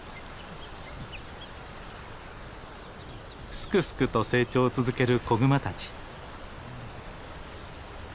すくすくと成長を続ける子グマたち。